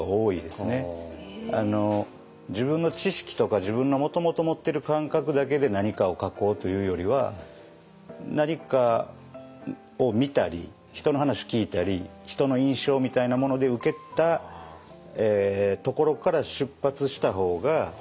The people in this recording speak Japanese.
自分の知識とか自分のもともと持ってる感覚だけで何かを書こうというよりは何かを見たり人の話聞いたりっていうのとちょっと近いような気はしましたね。